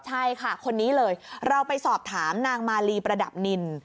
ใช่ค่ะคนนี้เลยเราไปสอบถามนางมาลีประดับนิน